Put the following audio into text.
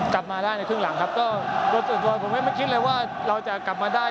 กลับมาได้ในครึ่งหลังครับก็โดยส่วนตัวผมไม่คิดเลยว่าเราจะกลับมาได้